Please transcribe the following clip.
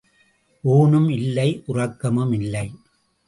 ஊணும் இல்லை உறக்கமும் இல்லை.